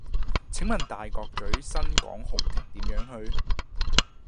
請問大角嘴新港豪庭點樣去?